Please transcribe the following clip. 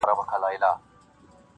خزان یې مه کړې الهي تازه ګلونه-